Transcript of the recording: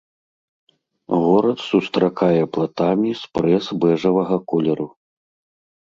Горад сустракае платамі спрэс бэжавага колеру.